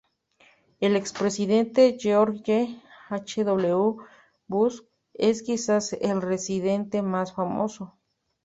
El expresidente George H. W. Bush es quizás el residente más famoso.